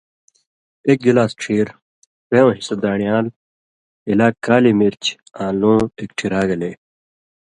ایک گلاس ڇھیر، ڇیؤں حصہ دان٘ڑیال، ہِلاک کالی مرچ آں لُوں اکٹھی را گلے